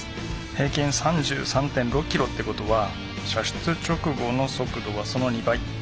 平均３３．６キロってことは射出直後の速度はその２倍。